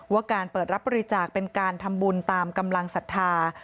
ว่าการเปิดรับบริจาคเป็นการทำบุญตามกำลังศรัทธา